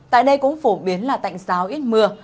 tại đây cũng phổ biến là tạnh giáo ít mưa